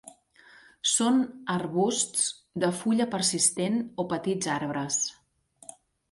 Són arbusts de fulla persistent o petits arbres.